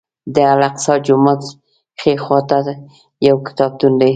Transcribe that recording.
د الاقصی جومات ښي خوا ته یو کتابتون دی.